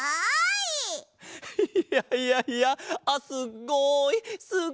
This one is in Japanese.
いやいやいや「すっごい！